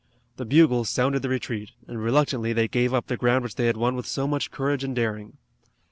The bugles sounded the retreat, and reluctantly they gave up the ground which they had won with so much courage and daring.